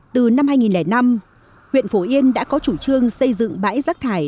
từ năm hai nghìn năm huyện phổ yên đã có chủ trương xây dựng bãi rác thải